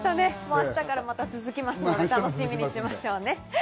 明日からまた続きますので、楽しみにしましょうね。